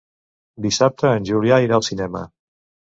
Dissabte en Julià irà al cinema.